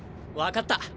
分かった。